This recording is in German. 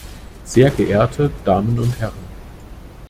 Sehr geehrte Damen und Herren!